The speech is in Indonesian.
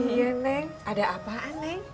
iya neng ada apaan neng